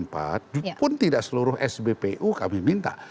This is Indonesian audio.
pun tidak seluruh sbpu kami minta